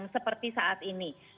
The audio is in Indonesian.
seperti saat ini